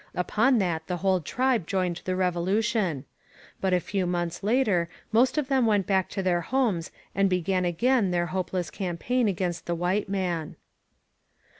Upon that the whole tribe joined the Revolution. But a few 265 DfSUKGEXT MEXICO montlis later most of them went back to their homes and began again their hopdess campaign against the white man.